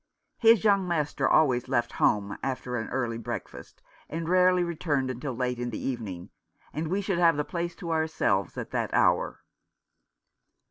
His young master always left home after an early breakfast, and rarely returned till late in the even ing, and we should have the place to ourselves at that hour.